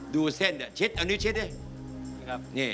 ดูเครื่องเส้นที่อีก